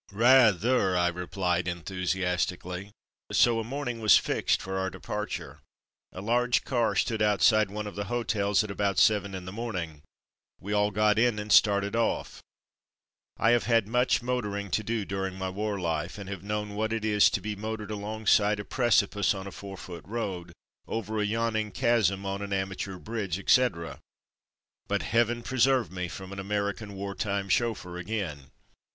"Rather!'' I replied enthusiastically. So a morning was fixed for our departure. A large car stood outside one of the ''hotels" at about seven in the morning; we all got in, and started off^. I have had much motor ing to do during my war life, and have known what it is to be motored alongside a precipice on a four foot road, over a yawn ing chasm on an amateur bridge, etc., but heaven preserve me from an American war time chauff^eur again.